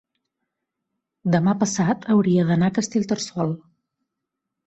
demà passat hauria d'anar a Castellterçol.